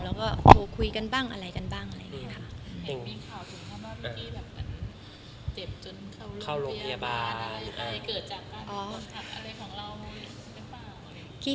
แล้วก็โทรคุยกันบ้างอะไรกันบ้างอะไรอย่างเงี้ยแบบมันเจ็บจนเข้าโรงพยาบาลอะไรเกิดจากการอ๋ออะไรของเรา